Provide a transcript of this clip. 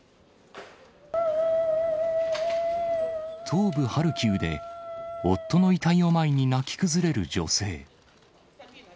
東部ハルキウで、夫の遺体を前に泣き崩れる女性。